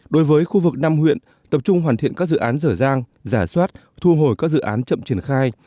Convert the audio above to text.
đối với khu vực năm huyện tập trung hoàn thiện các dự án dở dang giả soát thu hồi các dự án chậm triển khai